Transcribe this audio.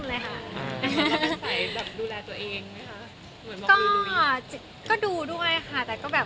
แล้วเป็นเสียงดูแลตัวเองไหม